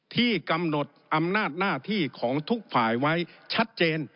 ที่กำหนดอำนาจหน้าที่ของทุกฝ่ายไว้ชัดเจน